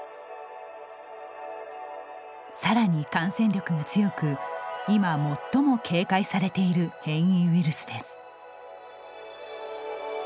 さらに感染力が強く、今、最も警戒されている変異ウイルスです。